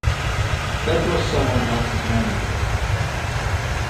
That was someone else's handy work.